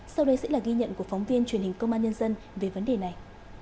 sau đây sẽ là ghi nhận của phóng viên truyền hình công an nhân dân về vấn đề này